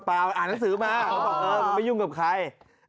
อ่านหนังสือมาไม่ยุ่งกับใคร